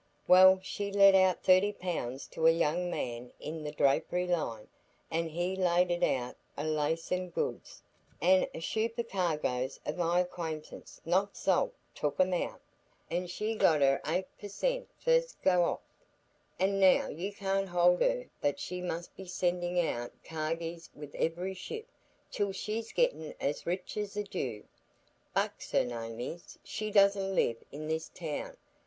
Well, she let out thirty pound to a young man in the drapering line, and he laid it out i' Laceham goods, an' a shupercargo o' my acquinetance (not Salt) took 'em out, an' she got her eight per zent fust go off; an' now you can't hold her but she must be sendin' out carguies wi' every ship, till she's gettin' as rich as a Jew. Bucks her name is, she doesn't live i' this town.